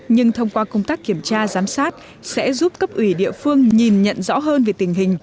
nhưng thông qua công tác kiểm tra giám sát sẽ giúp cấp ủy địa phương nhìn nhận rõ hơn về tình hình